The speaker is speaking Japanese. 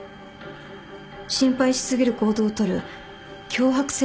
心配し過ぎる行動をとる強迫性